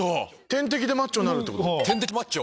点滴でマッチョになるってこと？